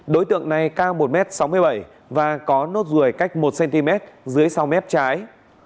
đối tượng này cao một m sáu mươi bảy và có nốt ruồi cách một cm dưới sau mép trái